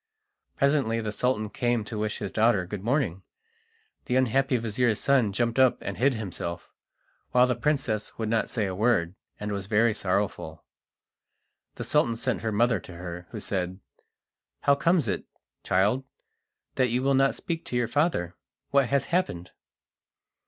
Presently the Sultan came to wish his daughter good morning. The unhappy vizir's son jumped up and hid himself, while the princess would not say a word, and was very sorrowful. The Sultan sent her mother to her, who said: "How comes it, child, that you will not speak to your father? What has happened?"